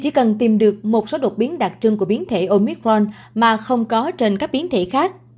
điều kiện đi kèm là phải có một số đột biến đặc trưng của biến thể omicron mà không có trên các biến thể khác